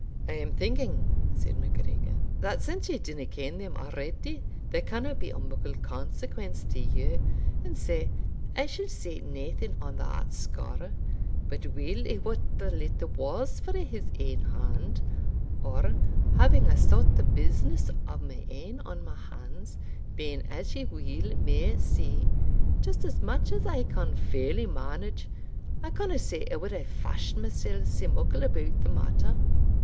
"I am thinking," said MacGregor, "that since ye dinna ken them already they canna be o' muckle consequence to you, and sae I shall say naething on that score. But weel I wot the letter was frae his ain hand, or, having a sort of business of my ain on my hands, being, as ye weel may see, just as much as I can fairly manage, I canna say I would hae fashed mysell sae muckle about the matter."